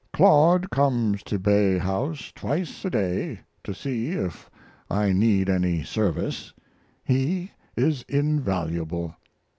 Claude comes to Bay House twice a day to see if I need any service. He is invaluable.